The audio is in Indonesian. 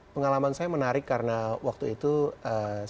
pengalaman saya menarik karena waktu itu saya